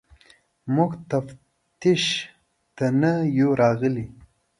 موږ تفتیش ته نه یو راغلي.